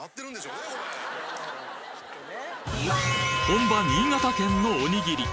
本場新潟県のおにぎり